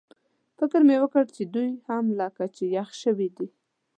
فکر مې وکړ چې دوی هم لکه چې یخ شوي دي.